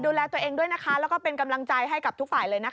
ดูแลตัวเองด้วยนะคะแล้วก็เป็นกำลังใจให้กับทุกฝ่ายเลยนะคะ